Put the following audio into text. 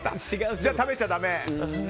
じゃあ食べちゃだめ。